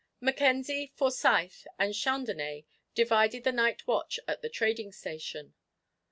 Mackenzie, Forsyth, and Chandonnais divided the night watch at the trading station.